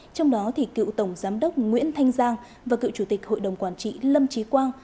trong đó cựu tổng giám đốc nguyễn thanh giang và cựu chủ tịch hội đồng quản trị lâm trí quang